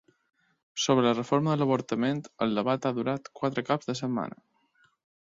Sobre la reforma de l’avortament, el debat ha durat quatre caps de setmanes.